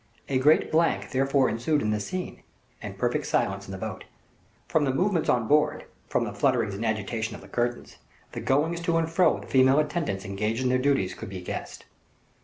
A great blank thereupon ensued in the scene, and perfect silence in the boat. From the movements on board from the flutterings and agitations of the curtains the goings to and fro of the female attendants engaged in their duties, could be guessed.